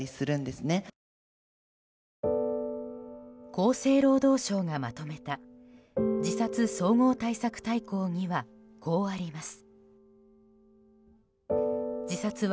厚生労働省がまとめた自殺総合対策大綱にはこうあります。